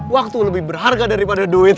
waktu lebih berharga daripada duit